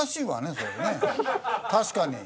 確かに。